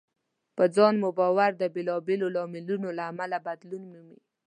په ځان مو باور د بېلابېلو لاملونو له امله بدلون مومي.